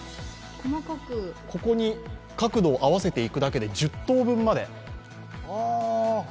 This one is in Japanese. ここに角度を合わせていくだけで１０等分まで。